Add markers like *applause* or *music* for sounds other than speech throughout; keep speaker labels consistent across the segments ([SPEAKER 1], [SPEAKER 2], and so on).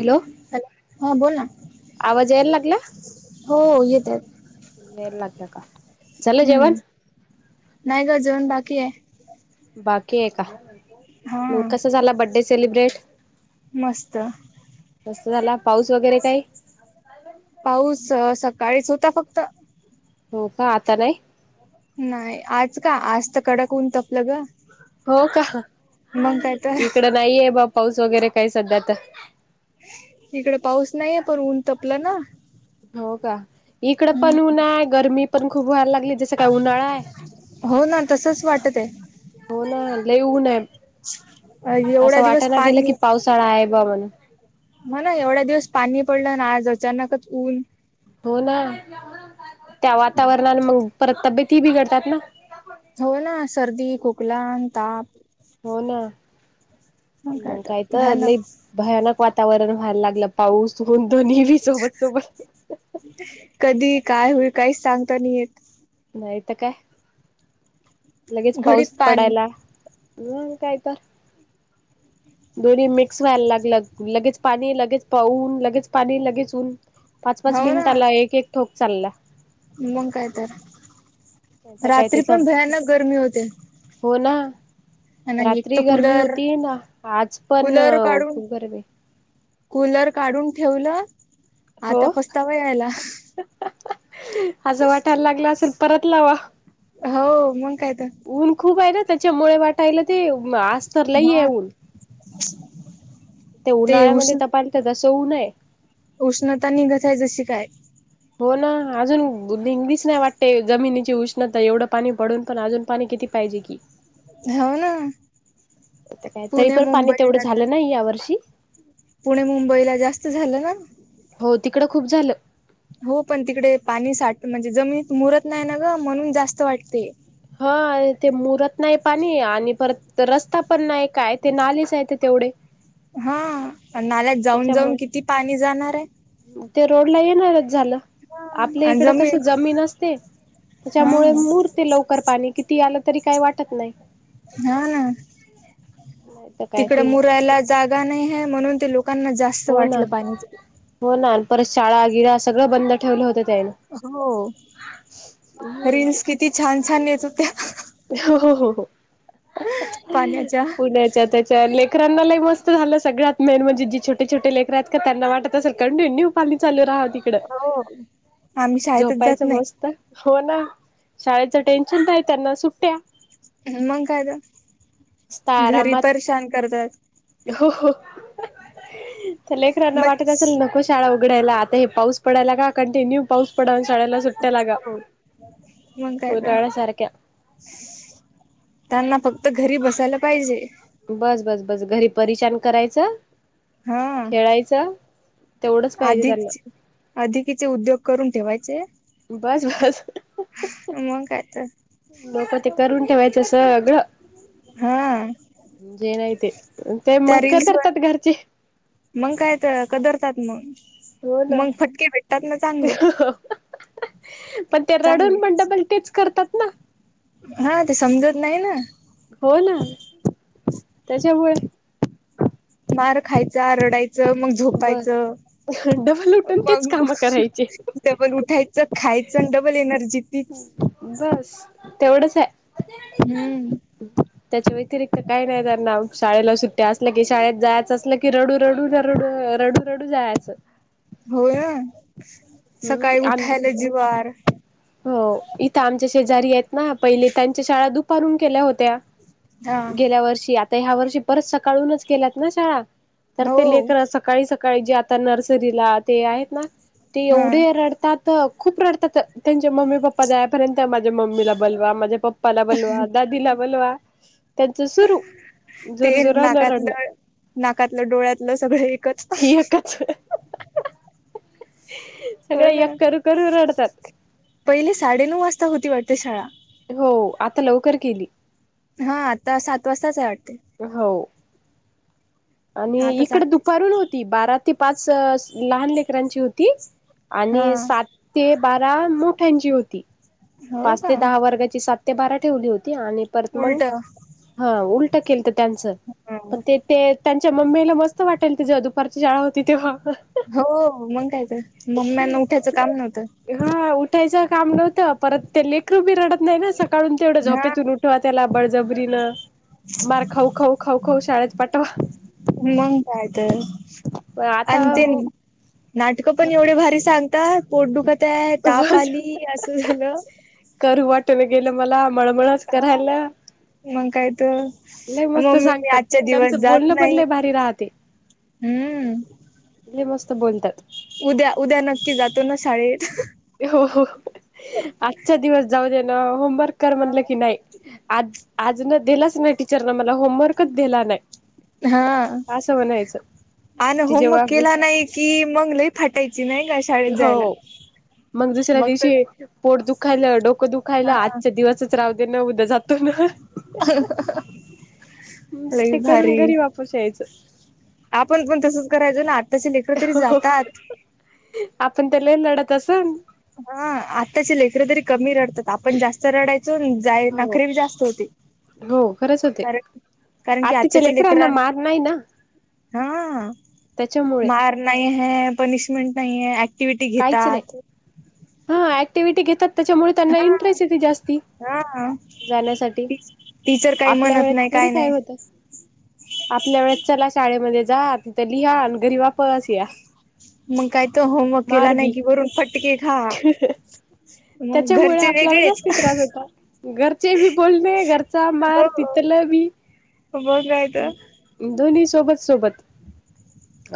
[SPEAKER 1] Hello
[SPEAKER 2] हा बोल ना.
[SPEAKER 1] आवाज यायला लागला?
[SPEAKER 2] हो येतंय.
[SPEAKER 1] वेर लागलं का चाललय जेवण?
[SPEAKER 2] नाय ग जेवण बाकी आहे.
[SPEAKER 1] बाकी आहे का?
[SPEAKER 2] हा
[SPEAKER 1] मग कसं झाला बड्डे सेलिब्रेट?
[SPEAKER 2] मस्त
[SPEAKER 1] तसं झाला, पाऊस वगैरे काय?
[SPEAKER 2] पाऊस सकाळीच होता फक्त.
[SPEAKER 1] हो का आता नाही?
[SPEAKER 2] नाय आज का आज तर कडक ऊन तपलं ग.
[SPEAKER 1] हो का
[SPEAKER 2] मग काय तर
[SPEAKER 1] इकडं नाहीये बा पाऊस वगैरे काय सध्या आता.
[SPEAKER 2] इकडे पाऊस नाहीे पण ऊन तपलं ना.
[SPEAKER 1] हो का? इकडं पण ऊन
[SPEAKER 2] हम्म
[SPEAKER 1] आहे, गरमी पण खूप व्हायला लागली जसं काय उन्हाळा आहे
[SPEAKER 2] हो ना तसच वाटत आहे.
[SPEAKER 1] हो ना लई ऊन आहे
[SPEAKER 2] एवढा
[SPEAKER 1] असं
[SPEAKER 2] दिवस
[SPEAKER 1] वाटा ना गेलं
[SPEAKER 2] पाणी
[SPEAKER 1] की पावसाळा आहे बा म्हणून.
[SPEAKER 2] हो ना एवढा दिवस पाणी पडलं ना आज अचानकच ऊन
[SPEAKER 1] हो ना त्या वातावरणाने मग परत तब्येत ही बिघडतात ना.
[SPEAKER 2] हो ना सर्दी, खोकला आणि ताप.
[SPEAKER 1] हो ना, मंग काय तर लय भयानक वातावरण व्हायला लागलं पाऊस होऊन दोन्ही बी सोबत-सोबत
[SPEAKER 2] कधी काय होल काहीच सांगता नाही येत.
[SPEAKER 1] नाही तर काय लगेच पाऊस
[SPEAKER 2] घडीत पाणी
[SPEAKER 1] पडायला. ऊन कायतर दोन्ही मिक्स व्हायला लागलं लगेच पाणी लगेच पाउन लगेच पाणी लगेच ऊन. पाच-पाच
[SPEAKER 2] हो
[SPEAKER 1] मिनिटाला एक-एक ठोक चालला.
[SPEAKER 2] मंग काय तर
[SPEAKER 1] नाही तर काय ते
[SPEAKER 2] रात्री
[SPEAKER 1] सांग
[SPEAKER 2] पण भयानक गरमी होते.
[SPEAKER 1] हो ना
[SPEAKER 2] आणि एक तर
[SPEAKER 1] रात्री गरमी
[SPEAKER 2] कूलर
[SPEAKER 1] होतीय ना आज पण
[SPEAKER 2] कूलर काढून
[SPEAKER 1] खूप गरमी आहे.
[SPEAKER 2] कूलर काढून ठेवलं आता
[SPEAKER 1] हो
[SPEAKER 2] पस्तावा यायला.
[SPEAKER 1] असं वाटायला लागला असेल परत लावा.
[SPEAKER 2] हो मग काय तर
[SPEAKER 1] ऊन खूप आहे ना त्याच्यामुळे वाटायला ते तर लई
[SPEAKER 2] हा
[SPEAKER 1] आहे ऊन ते उन्हाळ्यामध्ये तपालत तस होऊ नये
[SPEAKER 2] उष्णता निघत आहे जशी काय
[SPEAKER 1] हो ना अजून निंगलीच नाही वाटते जमिनीची उष्णता एवढं पाणी पडून पण अजून पाणी किती पाहिजे की
[SPEAKER 2] हो ना
[SPEAKER 1] काय तरी
[SPEAKER 2] पुणे
[SPEAKER 1] पण पाणी तेवढं
[SPEAKER 2] मुंबईला तर
[SPEAKER 1] झालं नाही यावर्षी
[SPEAKER 2] पुणे मुंबईला जास्त झालं ना
[SPEAKER 1] हो तिकडं खूप झालं
[SPEAKER 2] हो पण तिकडे पाणी साठ म्हणजे जमनत मुरत नाही ना ग म्हणून जास्त वाटते
[SPEAKER 1] हा ते मुरत नाही पाणी आणि परत रस्ता पण नाही काय ते नालीच आहे ते तेवढे *unintelligible*
[SPEAKER 2] हा नाल्यात जाऊन जाऊन
[SPEAKER 1] त्याच्यामुळे
[SPEAKER 2] किती पाणी जाणार आहे
[SPEAKER 1] ते रोड ला येणारच झालं
[SPEAKER 2] हा
[SPEAKER 1] आपल्या
[SPEAKER 2] आणि
[SPEAKER 1] इकड कस जमीन असते त्याच्यामुळे
[SPEAKER 2] हा
[SPEAKER 1] मूर् ते लवकर आणि किती आलं तरी काही वाटत नाही
[SPEAKER 2] हा
[SPEAKER 1] नाही तर काय
[SPEAKER 2] तिकड
[SPEAKER 1] ते
[SPEAKER 2] मुरायला जागा नाही आहे म्हणून ते लोकांना जास्त
[SPEAKER 1] हो ना
[SPEAKER 2] वाटलं पाणी तिकडे.
[SPEAKER 1] हो ना परत शाळा गिड सगळं बंद ठेवलं होत त्याने
[SPEAKER 2] हो रिन्स किती छान छान येत होत्या
[SPEAKER 1] हो हो
[SPEAKER 2] पाण्याच्या.
[SPEAKER 1] पुण्याच्या त्याच्या लेकरांना ल मस्त झालं सगळ्यात मेन म्हजे जे छटे छोट लेखक आहेत का त्यांना वाटत असेल कून ठेऊ नऊ पाणी चालू राहा तिकड
[SPEAKER 2] हो. आम्ही शाळेतच जात
[SPEAKER 1] झोपायचं
[SPEAKER 2] नाही
[SPEAKER 1] मस्त हो ना शाळेचं टेन्शन नाहीय त्यांना सुट्ट्या
[SPEAKER 2] मंग काय
[SPEAKER 1] मस्त
[SPEAKER 2] तर घरी
[SPEAKER 1] आरामात
[SPEAKER 2] परेशान करतात
[SPEAKER 1] हो लेकरांना वाटत
[SPEAKER 2] मच
[SPEAKER 1] असेल नको शाळा उघडायला आता हे पाऊस पडलाग कंटिन्यू पाऊस पड शळेला सुट्ट्यालाग
[SPEAKER 2] हो. मग काय तर
[SPEAKER 1] उरळ्या सारख्या
[SPEAKER 2] त्यांना फक्त घरी बसायला पाहिजे
[SPEAKER 1] बस बस बस घरी परिछान करायचं
[SPEAKER 2] हा
[SPEAKER 1] खेळायचं तेवढंच पाहिजे
[SPEAKER 2] अधिक
[SPEAKER 1] त्यांना
[SPEAKER 2] अधिकीचे उद्योग करून ठेवायचे
[SPEAKER 1] बस बस
[SPEAKER 2] मग काय तर
[SPEAKER 1] लोक ते करून ठेवायचं अस सगळं
[SPEAKER 2] हा
[SPEAKER 1] म्हणजे नाहीह ते ते
[SPEAKER 2] त्या
[SPEAKER 1] मग
[SPEAKER 2] रील्स वर
[SPEAKER 1] काधरतात घरचे
[SPEAKER 2] मग काय तर कदरतात
[SPEAKER 1] हो
[SPEAKER 2] मग
[SPEAKER 1] ना
[SPEAKER 2] मग फटके भेटतात ना चांगले
[SPEAKER 1] पण ते
[SPEAKER 2] चांगले
[SPEAKER 1] रडून पणड पल तेच करतात ना
[SPEAKER 2] हा ते समजत नाही ना
[SPEAKER 1] हो ना त्याच्यामुळे
[SPEAKER 2] मार खायचा आ रडायचं मग झोपायचं
[SPEAKER 1] बस डबल उठून तेच
[SPEAKER 2] मग
[SPEAKER 1] काम करायचे
[SPEAKER 2] टबल उठायचं खायचं डबल एनर्जी तीच
[SPEAKER 1] बस तेवढंच आहे
[SPEAKER 2] हम्म
[SPEAKER 1] त्याच्या व्यतिरिक्त काही नाही त्यांना शाळेला सुट्ट्या असल्या की शाळेत जायचं असलं क किरडू रडू रडू रडू रडू जायचं
[SPEAKER 2] हो ना
[SPEAKER 1] हम्म
[SPEAKER 2] सकाळी उठायला जिवार
[SPEAKER 1] आणि हो इथं आमच्या शेजारी आहेत ना पहिले त्यांच्या शाळा दुपारून केल्या होत्या
[SPEAKER 2] हा
[SPEAKER 1] गेल्या वर्षी, आता ह्या वर्षी, परत सकाळूनच केल्यात ना शाळा. तर
[SPEAKER 2] हो
[SPEAKER 1] ते लेकरं असं सकाळी -सकाळी, जे आता नर्सरीला ते आहेत ना, ते
[SPEAKER 2] हा
[SPEAKER 1] एवढे रडतात त खूप रडतात. त्यांचे मम्मी पप्पा जायपर्यंत. माझ्या मम्मीला बलवा, माझे पप् पप्पाला बलवा, दादीला बलवा. त्यांचं सुरू,
[SPEAKER 2] ते
[SPEAKER 1] जोर जोरानं रडणं.
[SPEAKER 2] नाकातलं नाकातलं, डोळ्यातलं, सगळं एकच.
[SPEAKER 1] ही एकच *unintelligible*
[SPEAKER 2] हो
[SPEAKER 1] सगळं
[SPEAKER 2] ना
[SPEAKER 1] एक करू- करू रडतात.
[SPEAKER 2] पहिले साडेनऊ वाजता होती वाटतं, शाळा.
[SPEAKER 1] हो. आता लवकर केली.
[SPEAKER 2] हा. आता, सात वाजताच आहे वाटते.
[SPEAKER 1] हो. आणि
[SPEAKER 2] आता
[SPEAKER 1] इकड,
[SPEAKER 2] चांगलीच
[SPEAKER 1] दुपारून होत ती. बारा ते पाच, लहान लेकरांची होती.
[SPEAKER 2] हा
[SPEAKER 1] आणि सात ते बारा, मोठ्यांची होती.
[SPEAKER 2] हो
[SPEAKER 1] पाच ते
[SPEAKER 2] का
[SPEAKER 1] दहा वर्गाची, सात ते बारा ठेवली होती. आणि परत मंग
[SPEAKER 2] उलट
[SPEAKER 1] हा, उलट केल तर त्यांचं. पण ते, ते त्यांच्या मम्मीयला मस्त वाटायलतं. जेंव्हा दुपारची शाळा होती तेव्हा.
[SPEAKER 2] हो मग काय तर. मम्म्यांना उठायचं, काम नव्हतं.
[SPEAKER 1] हा उठायचं काम नव्हतं. परत ते लेकरू बी रडत नाही ना, सका काळून तेवढं,
[SPEAKER 2] हा.
[SPEAKER 1] झोपेतून उठवा. त्याला बळजबरीनं. मार खाऊ-खाऊ. खाऊ- खाऊ, शाळेत पाठवा.
[SPEAKER 2] मंग काय तर.
[SPEAKER 1] आता
[SPEAKER 2] आणि ते, नाटकं पण एवढे भारी सांग आता पोट दुखतय, ताप आली. असं झालं.
[SPEAKER 1] करू वाटन गेलं मला. मळमळच
[SPEAKER 2] हा
[SPEAKER 1] करायल.
[SPEAKER 2] मग काय तर. मम्मी, मी
[SPEAKER 1] सांगतात
[SPEAKER 2] आजच्या दिवस
[SPEAKER 1] त्यांचं
[SPEAKER 2] जात
[SPEAKER 1] बोलणं पण
[SPEAKER 2] नाही.
[SPEAKER 1] लय भारी राहते
[SPEAKER 2] हम्म.
[SPEAKER 1] लय मस्त बोलतात.
[SPEAKER 2] उद्या, उद्या नक्की जातो ना, शाळेत.
[SPEAKER 1] हो हो. आजचा दिवस जाऊ दे ना. होमवर्क कर म्हणलं की, नाही. आज, आज न दिलाच नाही टीचर न मला, होमवर्कच दिला नाही.
[SPEAKER 2] हा.
[SPEAKER 1] असं म्हणायचं
[SPEAKER 2] आ न
[SPEAKER 1] ती
[SPEAKER 2] होमवर्क
[SPEAKER 1] जेव्हा
[SPEAKER 2] केला नाही की, मग लई थाटायची नाही. *unintelligible*
[SPEAKER 1] हो. मग दुसऱ्या दिवशी, पोट दुखायलं, डोकं दुखायलं.
[SPEAKER 2] हा
[SPEAKER 1] आजच्या दिवस च राव दे न. उद्या जातो ना
[SPEAKER 2] *unintelligible* लई
[SPEAKER 1] मस्ती करून,
[SPEAKER 2] भारी
[SPEAKER 1] घरी वापस यायचं.
[SPEAKER 2] आपण पण तसंच करायचो ना. आत्ताचे लेकरं तरी
[SPEAKER 1] हो.
[SPEAKER 2] जातात.
[SPEAKER 1] *unintelligible* आपण त लय लढत असन.
[SPEAKER 2] हा आत्ताची लेकरं तरी कमी रडतात. आपण जास्त रडायचो. जाय,
[SPEAKER 1] हो
[SPEAKER 2] नखरी बी जास्त होती.
[SPEAKER 1] हो, खरंच होते.
[SPEAKER 2] कारण की
[SPEAKER 1] आताच्या
[SPEAKER 2] आत्ताच्या
[SPEAKER 1] लेकरांना
[SPEAKER 2] लेकरां
[SPEAKER 1] मार नाही ना.
[SPEAKER 2] हा.
[SPEAKER 1] त्याच्यामुळे
[SPEAKER 2] मार नाही आहे, पनिशमेंट नाही आहे. ऍक्टिव्हटी
[SPEAKER 1] काहीच नाही
[SPEAKER 2] घेतात.
[SPEAKER 1] हा ऍक्टिव्हटी घेतात. त्याच्यामुळे त्यांना,
[SPEAKER 2] हा
[SPEAKER 1] इंटरेस्ट येते जास्ती,
[SPEAKER 2] हा
[SPEAKER 1] जाण्यासाठी.
[SPEAKER 2] टीचर काही
[SPEAKER 1] आपल्या
[SPEAKER 2] म्हणत
[SPEAKER 1] वेळेत,
[SPEAKER 2] नाही
[SPEAKER 1] थोडी काय
[SPEAKER 2] नाही.
[SPEAKER 1] होत. आपल्या वेळेस चला शाळेमध्ये जा, तिथं लिहा अन् घरी वापस या.
[SPEAKER 2] मग काय तो होमवर्क केला नाही
[SPEAKER 1] मारबी
[SPEAKER 2] की, वरून फटके खा. मग
[SPEAKER 1] त्याच्यामुळे,
[SPEAKER 2] घरचे
[SPEAKER 1] आपल्याला
[SPEAKER 2] वेगळेच.
[SPEAKER 1] जास्ती त्रास होता. घरचे बी बोलणे. घरचा मार. तिथल बी.
[SPEAKER 2] मग काय तर.
[SPEAKER 1] दोनीही सोबत - सोबत.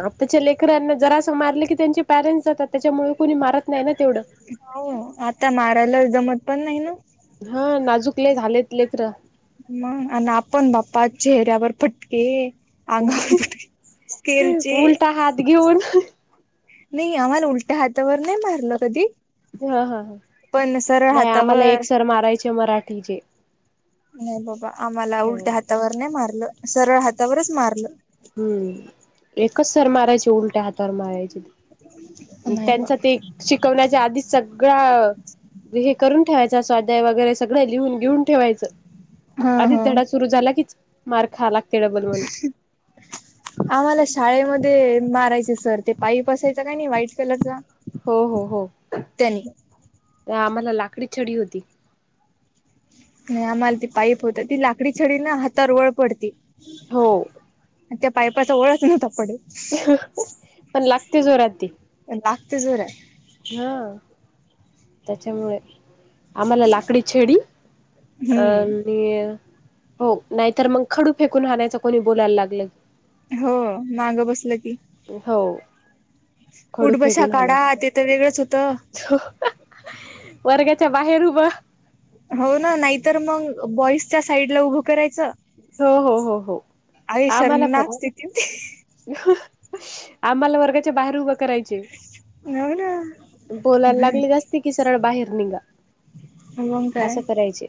[SPEAKER 1] आताच्या लेकरांना जरा असं मारले की, त्यांचे पॅरेंट्स जातात. त्याच्यामुळे कोणी मारत नाही ना तेवढं.
[SPEAKER 2] *unintelligible* हो, आता मारायला जमत पण नाही ना.
[SPEAKER 1] हा नाजूक लय झालेत लेकरं.
[SPEAKER 2] मग आणि आपण बाप्पा चेहऱ्यावर पटके.
[SPEAKER 1] उलटा हात घेऊन
[SPEAKER 2] नाही आम्हाला उलट्या हातावर नाही मारलं कधी
[SPEAKER 1] हा हा
[SPEAKER 2] पण सरळ
[SPEAKER 1] नाही आम्हाला
[SPEAKER 2] हातावर
[SPEAKER 1] एक सर मारायचे मराठीचे.
[SPEAKER 2] नाही बाबा आम्हाला उलट्या हातावर नाही मारलं सरळ हातावरच मारलं.
[SPEAKER 1] हम्म एकच सर मारायची उलट्या हाताार मारायचे.
[SPEAKER 2] नाही बा
[SPEAKER 1] त्यांच ते शिकवण्याच्या आधीच सगळं. हे करून ठेवायचा स्वाध्याय वगैरे सगळं लिहून घेऊन ठेवायचं.
[SPEAKER 2] हा
[SPEAKER 1] आधीच
[SPEAKER 2] हा
[SPEAKER 1] धडा सुरू झाला कीच मार खा लागते डबल म्हणून.
[SPEAKER 2] आम्हाला शाळेमध्ये मारायचे सर ते पाईप असायचं काय नाही व्हाईट कलरचा.
[SPEAKER 1] हो हो हो.
[SPEAKER 2] धन्यवा.
[SPEAKER 1] आम्हाला लाकडी छडी होती.
[SPEAKER 2] नाही आम्हाला ती पाईप होत ती लाकडी छडी ना हातार वळ पडती.
[SPEAKER 1] हो.
[SPEAKER 2] त्या पाईपाचा ओळच नव्हता पडे.
[SPEAKER 1] ह. पण लागते जोराती.
[SPEAKER 2] लागतेझोरे.
[SPEAKER 1] हा त्याच्यामुळे. आम्हाला लाकडी छेडी अ.
[SPEAKER 2] हम्म
[SPEAKER 1] म हो नाहीतर मग खडू फेकून राायचं कोणी बोलायला लागलं.
[SPEAKER 2] हो मागं बसलं की.
[SPEAKER 1] हो. खडू
[SPEAKER 2] उठबशा
[SPEAKER 1] फेकून
[SPEAKER 2] काडा
[SPEAKER 1] आणायचा
[SPEAKER 2] ते तर वेगळंच होतं.
[SPEAKER 1] वर्गाच्या बाहेर उभ.
[SPEAKER 2] हो ना नाहीतर मग बॉईसच्या साईडला उभं करायचं.
[SPEAKER 1] हो हो हो हो
[SPEAKER 2] आहे
[SPEAKER 1] आम्हाला पण.
[SPEAKER 2] शर्मनाक स्थिती होती.
[SPEAKER 1] आम्हाला वर्गाच्या बाहेर उभं करायचं.
[SPEAKER 2] हो ना
[SPEAKER 1] बोलायला लागले जास्त कि सरळ बाहेर निघा.
[SPEAKER 2] मग काय
[SPEAKER 1] कसं करायचे.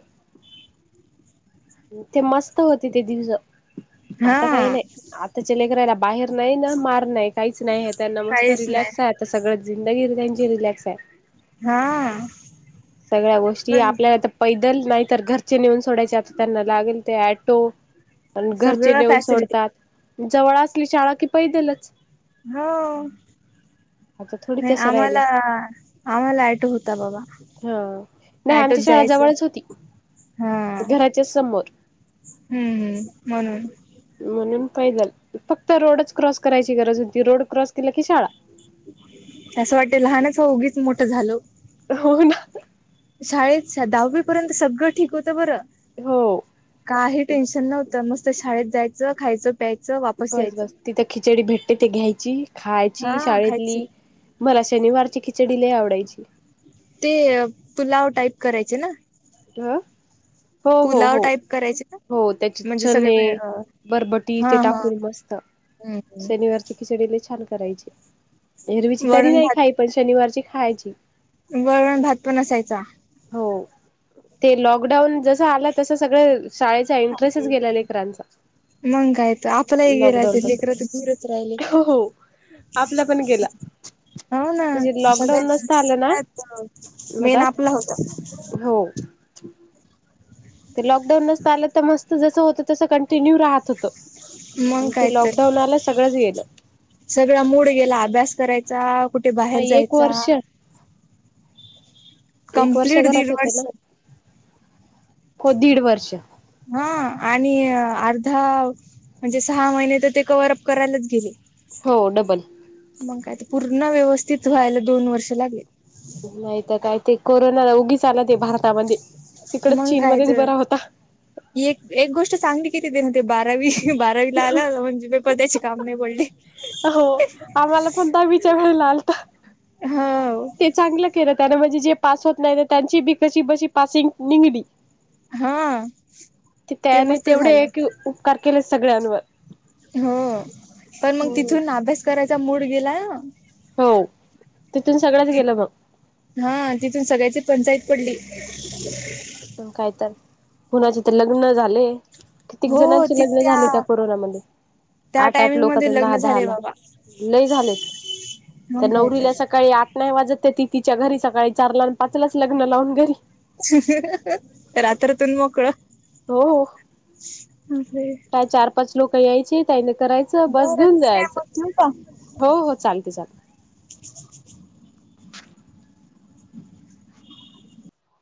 [SPEAKER 1] ते मस्त होते ते दिवस आता काही
[SPEAKER 2] हा
[SPEAKER 1] नाही. आताच्या लेकराला बाहेर नाही ना मार नाही काहीच नाही आहे त्यांना मस्त
[SPEAKER 2] काहीच
[SPEAKER 1] रिलॅक्स
[SPEAKER 2] नाही.
[SPEAKER 1] आहे. सगळं जिंदगी त्यांची रिलॅक्स आहे.
[SPEAKER 2] हा
[SPEAKER 1] सगळ्या गोष्टी
[SPEAKER 2] पण
[SPEAKER 1] आपल्याला तर. पैदल नाही तर घरचे नेऊन सोडायचे आता त्यांना लागेल ते ऍटो. पण घरचे
[SPEAKER 2] सगळं
[SPEAKER 1] नेऊन
[SPEAKER 2] फॅसिलिटी
[SPEAKER 1] सोडतात जवळ असली शाळा कि पैदलच.
[SPEAKER 2] होा.
[SPEAKER 1] आता थोडी
[SPEAKER 2] नाही
[SPEAKER 1] तसं राहिलं
[SPEAKER 2] आम्हाला आम्हाला आयटो होता बा
[SPEAKER 1] हा. नाही आमच्या शाळाजवळच होती
[SPEAKER 2] हा
[SPEAKER 1] घराच्या समोर.
[SPEAKER 2] हम्म हम्म म्हणून.
[SPEAKER 1] म्हणून पाहि झाल फक्त रोडच क्रॉस करायची गरज होती रोड क्रॉस केला की शाळा.
[SPEAKER 2] असं वाटते लहानच उगीच मोठं झाल.
[SPEAKER 1] होन.
[SPEAKER 2] शाळेत दहावी पर्यंत सगळं ठीक होतं बरं.
[SPEAKER 1] हो.
[SPEAKER 2] काही टेन्शन नव्हतं मस्त शाळेत जायचं खायचं प्यायचं वापस
[SPEAKER 1] बस
[SPEAKER 2] यायचं..
[SPEAKER 1] बस तिथं खिचडी भेटते ते घ्यायची
[SPEAKER 2] हा
[SPEAKER 1] खायची
[SPEAKER 2] खायची
[SPEAKER 1] शाळेतली. मला शनिवारची खिचडीला आवडायची.
[SPEAKER 2] ते पूलाव टाईप करायचे ना.
[SPEAKER 1] ह हो हो
[SPEAKER 2] पुलाव
[SPEAKER 1] हो
[SPEAKER 2] टाईप करायचे ना
[SPEAKER 1] हो त्याचे
[SPEAKER 2] म्हणजे सगळे
[SPEAKER 1] चने
[SPEAKER 2] मिळ- अ,
[SPEAKER 1] बरबटी
[SPEAKER 2] हा
[SPEAKER 1] ते
[SPEAKER 2] हा
[SPEAKER 1] टाकून मस्त
[SPEAKER 2] हम्म हम्म
[SPEAKER 1] शनिवारची खिचडी लय छान करायची. एरवीची तरी
[SPEAKER 2] वरण
[SPEAKER 1] नाही
[SPEAKER 2] भात
[SPEAKER 1] खाय पण शनिवारची खायची.
[SPEAKER 2] वरण भात पण असायचा.
[SPEAKER 1] हो, ते लॉकडाऊन जस आलं तस सगळं शाळे चा इंटरेस्टच गेला लेकरांचा.
[SPEAKER 2] मंग कायतर आपल हे ग राहत.
[SPEAKER 1] लॉकडाऊन पासून
[SPEAKER 2] लेकरं तर दूरत राहिले.
[SPEAKER 1] हो हो आपला पण गेला,
[SPEAKER 2] हो, ना
[SPEAKER 1] त्या लॉकडाऊन
[SPEAKER 2] सगळ्यात
[SPEAKER 1] नसता आलं ना
[SPEAKER 2] सगळ्यात मेन
[SPEAKER 1] मधात
[SPEAKER 2] आपला होता.
[SPEAKER 1] हो लॉकडाऊन नसत आलं तर मस्त जसं होत तसं कन्टि न्यू राहत होत.
[SPEAKER 2] मग
[SPEAKER 1] ते
[SPEAKER 2] काय तर
[SPEAKER 1] लॉकडाऊन आल सगळंच गेलं.
[SPEAKER 2] सगळा मुड गेला. अभ्यास करायचा. कुठे
[SPEAKER 1] ना
[SPEAKER 2] बाहेर
[SPEAKER 1] एक
[SPEAKER 2] जायचा.
[SPEAKER 1] वर्ष एक वर्ष
[SPEAKER 2] कम्प्लीट दीड
[SPEAKER 1] घरात होत ना.
[SPEAKER 2] वर्ष
[SPEAKER 1] हो, दीड वर्ष
[SPEAKER 2] हा आणि अर्धा म्हणजे सहा महिने तर ते कव्हरअप करायलाच गेले.
[SPEAKER 1] हो, डबल
[SPEAKER 2] मग काय तर पूर्ण व्यवस्थित व्हायला दोन वर्ष लागले.
[SPEAKER 1] नाहीतर काय ते कोरोना उगीच आला. ते भारतामध्ये तिकडच
[SPEAKER 2] मंग कायच
[SPEAKER 1] चीनमध्येच बरा होता
[SPEAKER 2] एक एक गोष्ट चांगली केली देण ते बारावी बारावीला आला. म्हणजे पेपर त्याचे काम नाही पडले.
[SPEAKER 1] हो, आम्हाला पण दहावीच्या वेळेला आलता.
[SPEAKER 2] हो
[SPEAKER 1] चांगलं केलं त्याने, म्हणजे जे पास होत नाही. त्यांची बी कशी बशी पासिंग निघली.
[SPEAKER 2] हा, ते
[SPEAKER 1] त्याने
[SPEAKER 2] मस्त
[SPEAKER 1] तेवढे
[SPEAKER 2] झालं.
[SPEAKER 1] एक उपकार केले सगळ्यांवर.
[SPEAKER 2] ह, पण मग
[SPEAKER 1] हम्म.
[SPEAKER 2] तिथून अभ्यास करायचा मूड गेला ना.
[SPEAKER 1] हो तिथून सगळंच गेलं मग.
[SPEAKER 2] हा तिथून सगळ्याची पंचायत पडली. ह *unintelligible*
[SPEAKER 1] मग काय तर कुणाचे तर लग्न झाले. कित्येक
[SPEAKER 2] हो
[SPEAKER 1] जणांचे
[SPEAKER 2] ति
[SPEAKER 1] लग्न झाले. त्या कोरोनामध्ये,
[SPEAKER 2] त्या
[SPEAKER 1] आठ आठ
[SPEAKER 2] टायमिंग
[SPEAKER 1] लोक
[SPEAKER 2] मध्ये
[SPEAKER 1] दहा
[SPEAKER 2] लग्न
[SPEAKER 1] दहा
[SPEAKER 2] झाले
[SPEAKER 1] ला
[SPEAKER 2] बाबा
[SPEAKER 1] लय झालेत. त्या
[SPEAKER 2] मग काय
[SPEAKER 1] नवरीला
[SPEAKER 2] तर.
[SPEAKER 1] सकाळी आठ नाही वाजत ती तिच्या घरी सकाळी चार ला पाचलाच लग्न लावून घरी.
[SPEAKER 2] रात्रतून मोकळ
[SPEAKER 1] हो,
[SPEAKER 2] अ *unintelligible*
[SPEAKER 1] काय चार पाच लोक यायचे तयारी करायचं बस
[SPEAKER 2] बरं
[SPEAKER 1] घेऊन
[SPEAKER 2] ठीक आहे
[SPEAKER 1] जायचं.
[SPEAKER 2] मग ठेवू का
[SPEAKER 1] हो हो चालतय चालते.